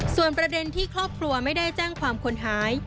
ส่วนประเด็นที่ครอบครัวไม่ได้แจ้งความคนหาย